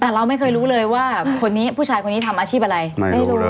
แต่เราไม่เคยรู้เลยว่าคนนี้ผู้ชายคนนี้ทำอาชีพอะไรไม่รู้